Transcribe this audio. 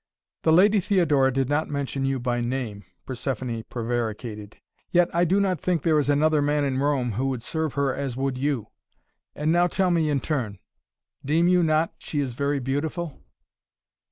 The Lady Theodora did not mention you by name," Persephoné prevaricated, "yet I do not think there is another man in Rome who would serve her as would you. And now tell me in turn. Deem you not, she is very beautiful?"